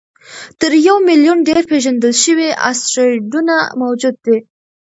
تر یو میلیون ډېر پېژندل شوي اسټروېډونه موجود دي.